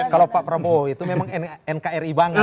kalau pak prabowo itu memang nkri banget